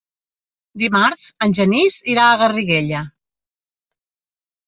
Dimarts en Genís irà a Garriguella.